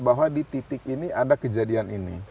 bahwa di titik ini ada kejadian ini